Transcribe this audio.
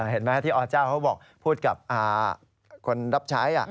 เห็นไหมที่อเจ้าเขาบอกพูดกับคนรับใช้